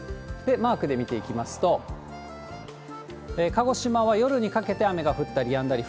マークで見ていきますと、鹿児島は夜にかけて雨が降ったりやんだり。